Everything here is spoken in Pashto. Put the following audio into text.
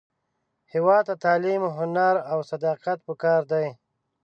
هیواد ته تعلیم، هنر، او صداقت پکار دی